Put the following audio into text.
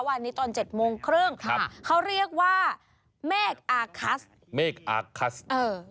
วันนี้ตอนเจ็ดโมงครึ่งครับเขาเรียกว่าเมฆอาคัสเมฆอาร์คัสเออ